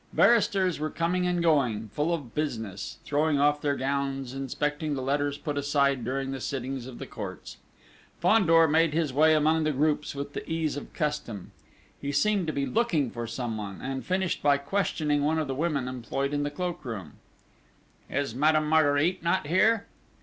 Barristers were coming and going, full of business, throwing off their gowns, inspecting the letters put aside during the sittings of the Courts. Fandor made his way among the groups with the ease of custom. He seemed to be looking for someone, and finished by questioning one of the women employed in the cloak room: "Is Madame Marguerite not here?"